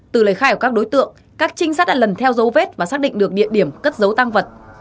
từ lời khai của các đối tượng các trinh sát đã lần theo dấu vết và xác định được địa điểm cất giấu tăng vật